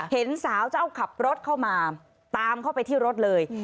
เห็นสาวเจ้าขับรถเข้ามาตามเข้าไปที่รถเลย